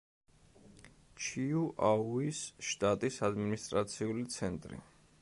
ჩიუაუის შტატის ადმინისტრაციული ცენტრი.